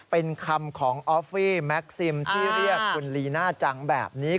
เป็นคำของออฟฟี่แม็กซิมที่เรียกคุณลีน่าจังแบบนี้